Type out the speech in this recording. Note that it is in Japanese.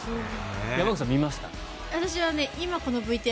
山口さん、見ました？